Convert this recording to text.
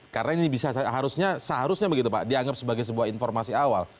karena ini bisa seharusnya begitu pak dianggap sebagai sebuah informasi awal